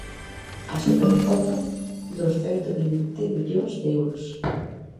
A Supercopa dos cento vinte millóns de euros.